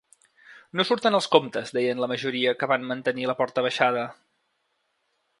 No surten els comptes, deien la majoria que van mantenir la porta abaixada.